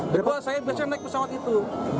berdua saya biasanya naik pesawat itu